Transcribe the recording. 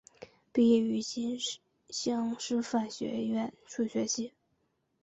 毕业于新乡师范学院数学系。